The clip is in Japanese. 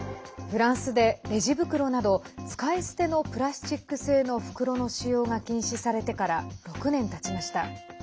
フランスでレジ袋など使い捨てのプラスチック製の袋の使用が禁止されてから６年たちました。